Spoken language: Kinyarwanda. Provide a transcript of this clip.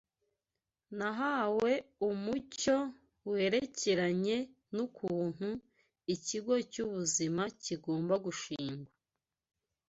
Nahawe umucyo werekeranye n’ukuntu ikigo cy’ubuzima kigomba gushingwa